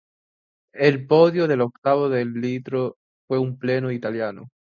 El podio del octavo de litro fue un pleno italiano.